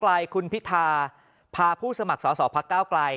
ลายคุณพิธาพาผู้สมัครสอสอพักก้าวไกล